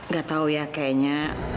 gak tahu ya kayaknya